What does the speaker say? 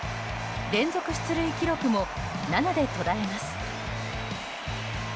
連続出塁記録も７で途絶えます。